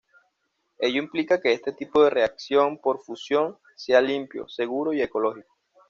Ello implica que este tipo de reacción, por fusión, sea limpio, seguro y ecológico.